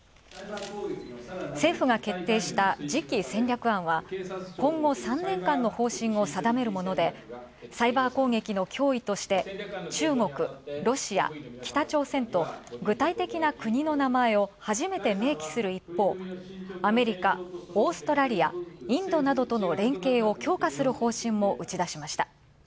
政府が決定した時期戦略案は今後３年間の方針を定めるもので、サイバー攻撃の脅威として中国、ロシア、北朝鮮と具体的な国の名前を初めて明記する一方、アメリカ、オーストラリア、インドなどとの連携を強化する方針も打ち出しました。